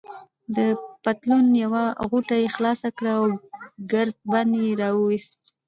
د پتلون یوه غوټه يې خلاصه کړه او ګردن بند يې راوایست.